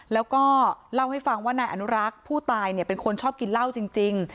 แล้วก็เล่าให้ฟังว่านายอนุรักษ์ผู้ตายเป็นคนชอบกินเหล้าจริง